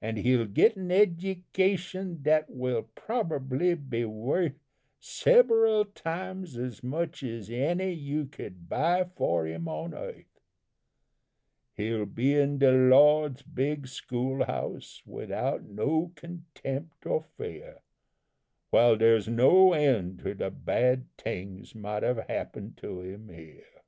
An' he'll get an' education dat will proberbly be worth Seberal times as much as any you could buy for him on earth; He'll be in de Lawd's big schoolhouse, widout no contempt or fear; While dere's no end to the bad tings might have happened to him here.